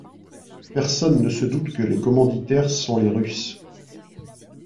Personne ne se doute que les commanditaires sont les Russes.